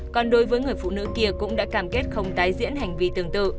còn đối với người phụ nữ kia cũng đã cam kết không tái diễn hành vi tương tự